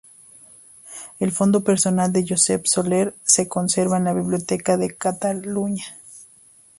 El fondo personal de Josep Soler se conserva en la Biblioteca de Cataluña.